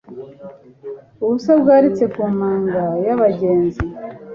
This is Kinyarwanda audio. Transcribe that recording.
Ubusa bwaritse ku manga yabagenzi